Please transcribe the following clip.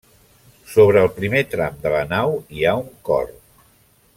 Sobre el primer tram de la nau, hi ha un cor.